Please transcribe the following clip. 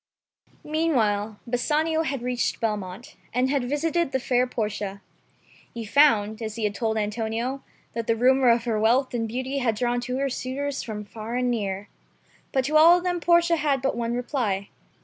Meanwhile Bassanio had reached Belmont, and had visited the fair Portia. He found, as he had told Antonio, that the rumor of her wealth and beauty had drawn to her suitors from far and near. But to all of them Portia had but one reply.